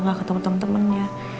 ga ketemu temen temennya